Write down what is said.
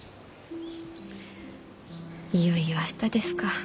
いよいよ明日ですか。